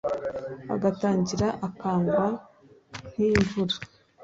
agatangira akagwa nk’imvura